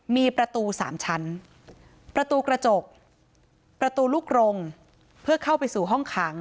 มีประตู๓ชั้นประตูกระจกประตูลูกรงเพื่อเข้าไปสู่ห้องขัง